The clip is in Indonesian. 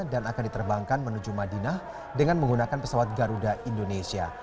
dan akan diterbangkan menuju madinah dengan menggunakan pesawat garuda indonesia